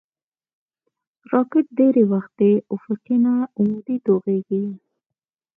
راکټ ډېری وخت افقي نه، عمودي توغېږي